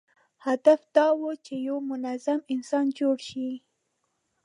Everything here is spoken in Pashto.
هدف دا و چې یو منظم انسان جوړ شي.